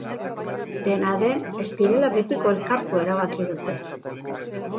Dena den, ez direla betiko elkartu erabaki dute.